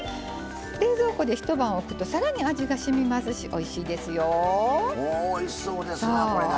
冷蔵庫で一晩、置くとさらに味がしみますしおいしいですよ。